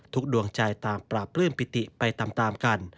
ทุกข์ดวงใจตามปราบพลื่นปิติไปตามกัน